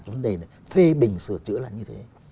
vấn đề này phê bình sửa chữa là như thế